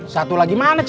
satu lagi mana ce